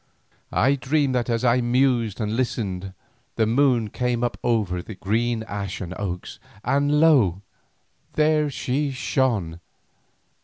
I dreamed that as I mused and listened the moon came up over the green ash and oaks, and lo! there she shone.